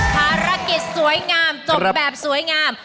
ภารกิจสวยงามจบแบบสวยงาม